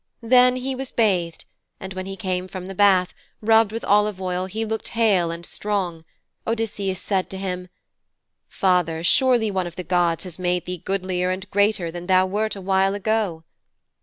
Then he was bathed, and, when he came from the bath, rubbed with olive oil he looked hale and strong, Odysseus said to him, 'Father, surely one of the gods has made thee goodlier and greater than thou wert a while ago.'